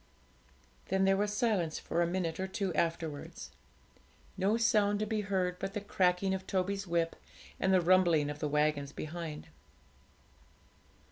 Then there was silence for a minute or two afterwards no sound to be heard but the cracking of Toby's whip and the rumbling of the waggons behind.